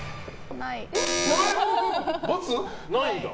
ないんだ。